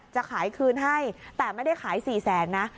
จะขายคืนให้แต่ไม่ได้ขาย๔แสนนะ